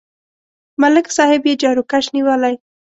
ملک صاحب یې جاروکش نیولی.